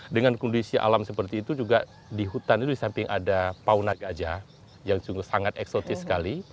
dengan kondisi alam seperti itu juga di hutan itu di samping ada pauna gajah yang sungguh sangat eksotis sekali